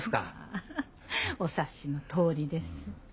まあお察しのとおりです。